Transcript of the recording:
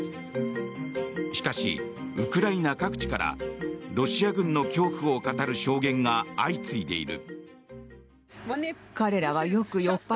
しかし、ウクライナ各地からロシア軍の恐怖を語る証言が相次いでいる。